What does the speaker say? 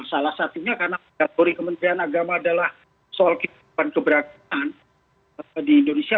salah satunya karena gatori kementerian agama adalah soal kehidupan keberagaman di indonesia